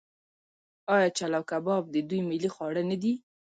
آیا چلو کباب د دوی ملي خواړه نه دي؟